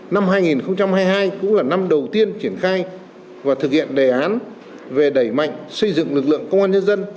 năm hai nghìn hai mươi hai cũng là năm đầu tiên triển khai và thực hiện đề án về đẩy mạnh xây dựng lực lượng công an nhân dân